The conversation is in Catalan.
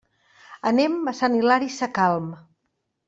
Anem a Sant Hilari Sacalm.